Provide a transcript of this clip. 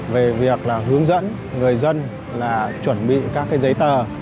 về việc là hướng dẫn người dân là chuẩn bị các giấy tờ